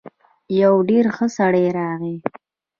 يو ډېر ښه سړی راغی.